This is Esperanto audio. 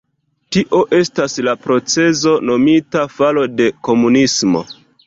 Tio estas la procezo nomita falo de komunismo.